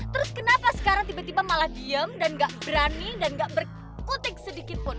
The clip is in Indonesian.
terus kenapa sekarang tiba tiba malah diam dan nggak berani dan nggak berkutik sedikitpun